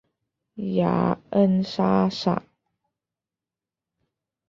雅恩莎撒。